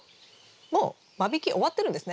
もう間引き終わってるんですね。